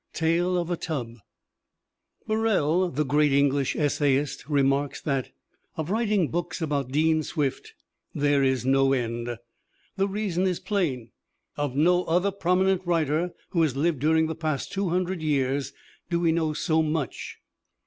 Tale of a Tub [Illustration: JONATHAN SWIFT] Birrell, the great English essayist, remarks that, "Of writing books about Dean Swift there is no end." The reason is plain: of no other prominent writer who has lived during the past two hundred years do we know so much.